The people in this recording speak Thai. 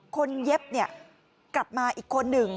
คนเย็บเนี่ยกลับมาอีกคนหนึ่ง